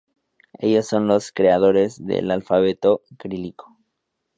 Ellos son los creadores del alfabeto cirílico.